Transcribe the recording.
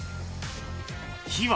［火は］